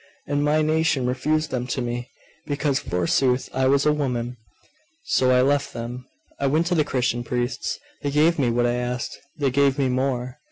and my nation refused them to me; because, forsooth, I was a woman! So I left them. I went to the Christian priests.... They gave me what I asked.... They gave me more....